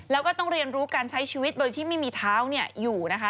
แล้วก็ต้องเรียนรู้การใช้ชีวิตโดยที่ไม่มีเท้าอยู่นะคะ